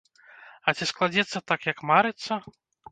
А ці складзецца так, як марыцца?